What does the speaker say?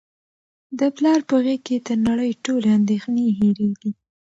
د پلار په غیږ کي د نړۍ ټولې اندېښنې هیرېږي.